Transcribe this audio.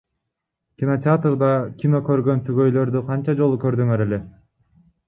Кинотеатрда кино көргөн түгөйлөрдү канча жолу көрдүңөр эле?